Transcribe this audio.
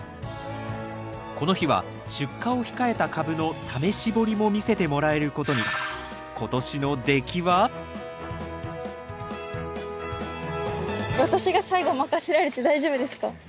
この日は出荷を控えた株の試し掘りも見せてもらえることに私が最後任せられて大丈夫ですか？